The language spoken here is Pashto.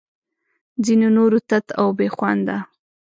ځینو نورو تت او بې خونده